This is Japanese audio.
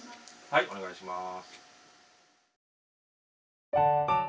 はいおねがいします。